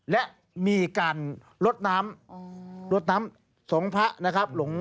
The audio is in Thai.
และมีการลดน้ำลดน้ำสองพระนะครับ